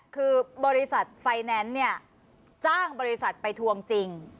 คือบริษัทไฟแนนซ์เนี่ยจ้างบริษัทไปทวงจริง